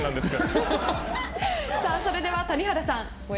それでは谷原さん。